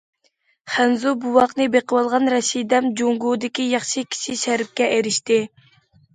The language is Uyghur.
خەنزۇ بوۋاقنى بېقىۋالغان رەشىدەم« جۇڭگودىكى ياخشى كىشى» شەرىپىگە ئېرىشتى.